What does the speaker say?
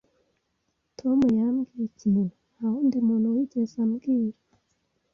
Tom yambwiye ikintu ntawundi muntu wigeze ambwira